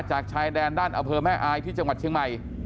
ชายแดนด้านอำเภอแม่อายที่จังหวัดเชียงใหม่